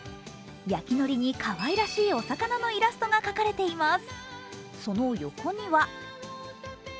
焼きのりに、かわいらしいお魚のイラストが描かれています。